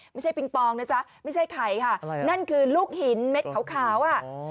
ปิงปองนะจ๊ะไม่ใช่ไข่ค่ะนั่นคือลูกหินเม็ดขาวอ่ะ